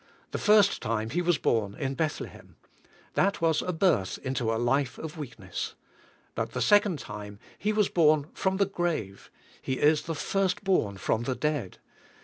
The first time He was born in Bethlehem. That was a birth into a life of weakness. But the second time, He was born from the grave; He is the "first born from the dead."